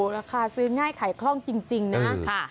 ราคาซื้อง่ายขายคล่องจริงนะ